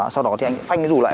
sau đó thì anh phanh cái rù lại